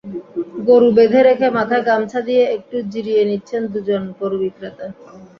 গরু বেঁধে রেখে মাথায় গামছা দিয়ে একটু জিরিয়ে নিচ্ছেন দুজন গরু বিক্রেতা।